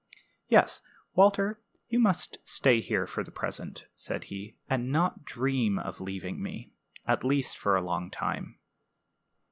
"Yes, Walter, you must stay here for the present," said he, "and not dream of leaving me at least for a long time."